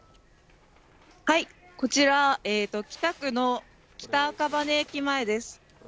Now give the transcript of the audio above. こちら北区の北赤羽駅前です。